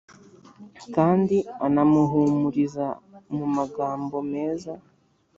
kandi anamuhumuriza mumagmbo meza